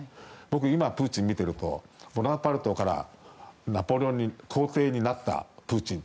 今、プーチンを見ているとボナパルトからナポレオン、皇帝になったプーチン。